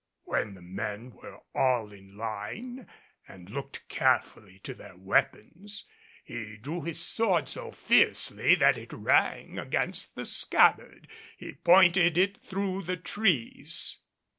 When the men were all in line and had looked carefully to their weapons, he drew his sword so fiercely that it rang against the scabbard. He pointed it through the trees.